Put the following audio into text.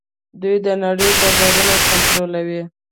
دوی د نړۍ بازارونه کنټرولوي.